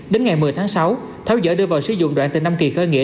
đến ngày một mươi tháng sáu tháo dỡ đưa vào sử dụng đoạn từ năm kỳ khởi nghĩa